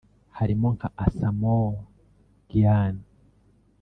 harimo nka Assamoah Gyan